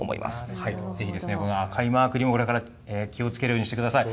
ぜひですね、この赤いマークにもこれから気をつけるようにしてください。